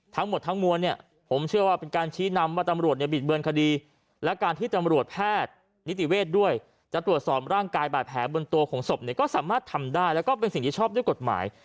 ทั้งหมดทั้งมวลเนี่ยผมเชื่อว่าเป็นการชี้นำว่าตำรวจเนี่ยบิดเบือนคดีและการที่ตำรวจแพทย์นิติเวทด้วยจะตรวจสอบร่างกายบาดแผลบนตัวของศพเนี่ยก็สามารถทำได้แล้วก็เป็นสิ่งที่ชอบด้วยกฎหมาย